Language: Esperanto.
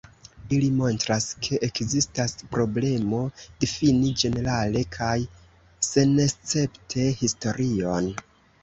Ili montras, ke ekzistas problemo difini ĝenerale kaj senescepte historion.